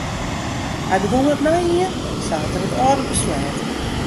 Hy begûn it nije jier sa't er it âlde besleat.